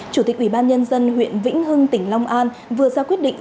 chủ tịch ủy ban nhân dân huyện vĩnh hưng tỉnh long an vừa ra quyết định